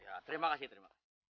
ya terima kasih terima kasih